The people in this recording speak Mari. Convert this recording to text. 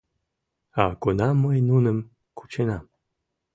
А кунам мый нуным кученам...